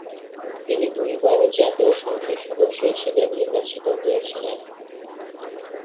তিনি দুইবার জাতীয় সংসদ সদস্য হিসেবে নির্বাচিত হয়েছিলেন।